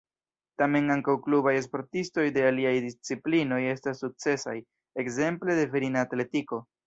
Tamen ankaŭ klubaj sportistoj de aliaj disciplinoj estas sukcesaj, ekzemple de virina atletiko.